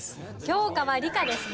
教科は理科です。